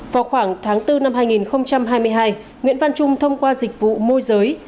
vào khoảng tháng bốn năm hai nghìn hai mươi hai nguyễn văn trung thông qua dịch vụ môi giới